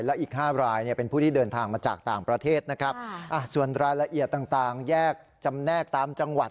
และอีก๕รายเป็นผู้ที่เดินทางมาจากต่างประเทศนะครับส่วนรายละเอียดต่างแยกจำแนกตามจังหวัด